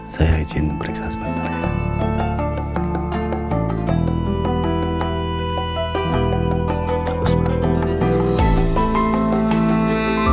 saya ingin beriksas bantuan